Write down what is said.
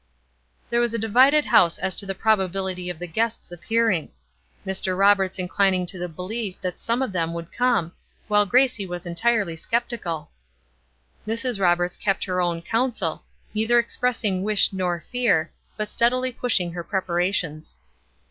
There was a divided house as to the probability of the guests appearing, Mr. Roberts inclining to the belief that some of them would come, while Gracie was entirely skeptical. Mrs. Roberts kept her own counsel, neither expressing wish nor fear, but steadily pushing her preparations.